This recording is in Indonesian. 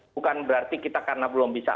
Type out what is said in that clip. bukan berarti kita karena belum bisa